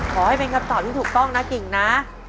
ขอให้เป็นคำตอบที่ถูกต้องนะกิ่งนะ